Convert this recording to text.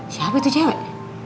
siapa itu cewek